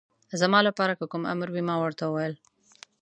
زما لپاره که کوم امر وي، ما ورته وویل.